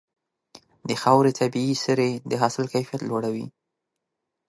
د خاورې طبيعي سرې د حاصل کیفیت لوړوي.